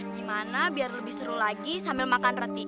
gimana biar lebih seru lagi sambil makan roti